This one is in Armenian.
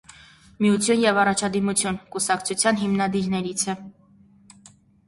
«Միություն և առաջադիմություն» կուսակցության հիմնադիրներից է։